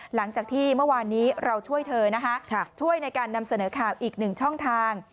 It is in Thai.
หลังจากที่เมื่อวานนี้เราช่วยเธอนะคะช่วยในการนำเสนอข่าวอีกหนึ่งช่องทาง